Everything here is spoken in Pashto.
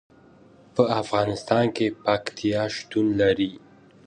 په افغانستان کې پکتیا شتون لري.